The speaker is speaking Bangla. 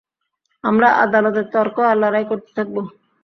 আমরা আদালতে তর্ক আর লড়াই করতে থাকব।